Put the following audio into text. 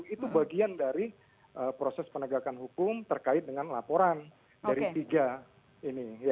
itu bagian dari proses penegakan hukum terkait dengan laporan dari tiga ini